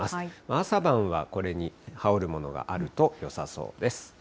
朝晩はこれに羽織るものがあるとよさそうです。